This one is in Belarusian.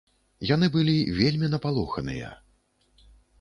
Яны былі вельмі напалоханыя.